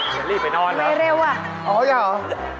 จะรีบไปนอนแล้วอ๋ออย่าเหรอทำไมเร็ว